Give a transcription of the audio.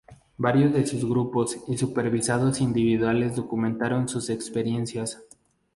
Varios de sus grupos y supervisados individuales documentaron sus experiencias.